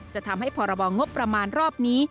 จะทำให้พรบงบประมาณรอบนี้